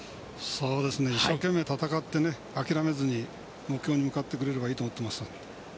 一生懸命戦って諦めずに目標に向かってくれればいいと思います。